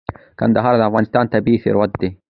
کندهار د افغانستان طبعي ثروت دی.